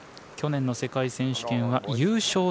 去年の世界選手権は優勝